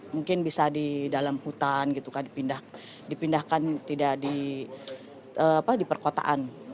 mungkin bisa di dalam hutan gitu kan dipindahkan tidak di perkotaan